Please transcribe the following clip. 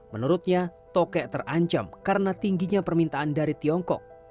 menurutnya tokek terancam karena tingginya permintaan dari tiongkok